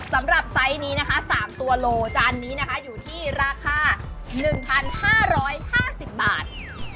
ไซส์นี้นะคะ๓ตัวโลจานนี้นะคะอยู่ที่ราคา๑๕๕๐บาท